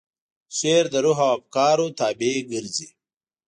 شعر د روح او افکارو تابع ګرځي.